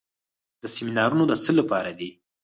سیمینارونه د څه لپاره دي؟